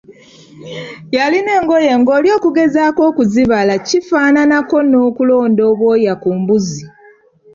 Yalina engoye ng'oli okugezaako okuzibala kifaananako okulonda obwoya ku mbuuzi.